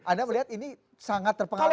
anda melihat ini sangat terpengaruh